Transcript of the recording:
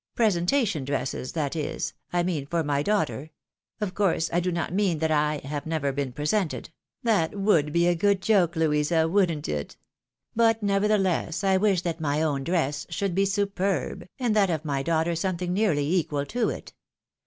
Presentation dresses — that is, I mean, for my daughter ; of course I do not mean that / have never been presented — that would be a good joke, Louisa, wouldn't it ? But nevertheless I wish that my own dress should be superb, and that of my daughter something nearly equal to it.